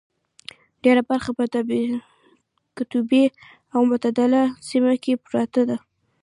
ډېره برخه یې په قطبي او متعدله سیمه کې پرته ده.